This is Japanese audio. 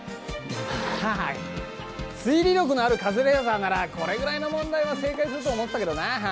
まあ推理力のあるカズレーザーならこれぐらいの問題は正解すると思ってたけどな。